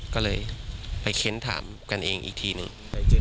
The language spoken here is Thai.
ก็เลยไปเค้นถามกันเองอีกทีหนึ่ง